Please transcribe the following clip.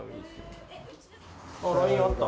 あっＬＩＮＥあった。